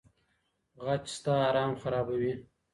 غچ ستا ارام خرابوي.